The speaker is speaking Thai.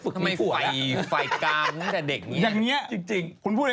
รอดก็เริ่มฝึกพี่ฝัว